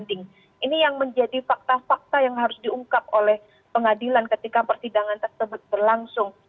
ini yang menjadi fakta fakta yang harus diungkap oleh pengadilan ketika persidangan tersebut berlangsung